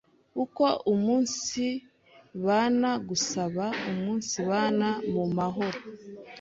Uko umunsibana gusaba umunsibana mu mahoro;